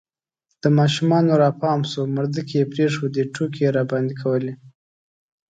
د ماشومانو را پام سو مردکې یې پرېښودې، ټوکې یې راباندې کولې